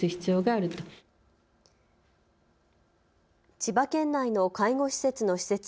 千葉県内の介護施設の施設長